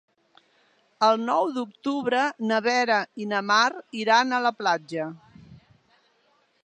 El nou d'octubre na Vera i na Mar iran a la platja.